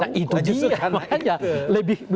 nah itu dia